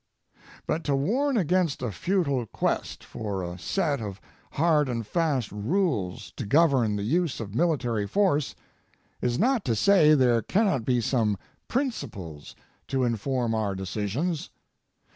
But to warn against a futile quest for a set of hard and fast rules to govern the use of military force is not to say there cannot be some principles to inform our decisions.